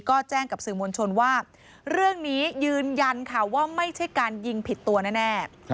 ก็แจ้งกับสื่อมวลชนว่าเรื่องนี้ยืนยันค่ะว่าไม่ใช่การยิงผิดตัวแน่